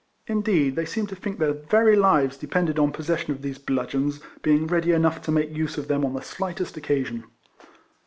Indeed they seemed to think their very lives depended on possession of these bludgeons, being ready enough to make use of them on the slightest occasion.